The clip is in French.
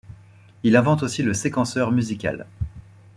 Il invente aussi le séquenceur musical.